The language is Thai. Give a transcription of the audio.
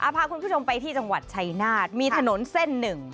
พาคุณผู้ชมไปที่จังหวัดชัยนาธมีถนนเส้นหนึ่ง